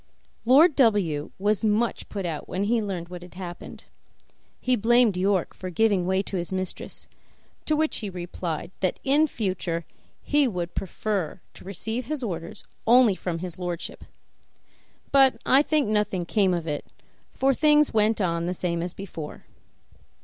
Lord W was much put out when he learned what had happened; he blamed York for giving way to his mistress, to which he replied that in future he would much prefer to receive his orders only from his lordship; but I think nothing came of it, for things went on the same as before.